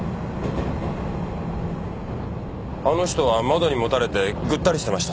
あの人は窓にもたれてぐったりしてました。